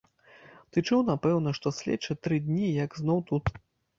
Ты чуў, напэўна, што следчы тры дні як зноў тут.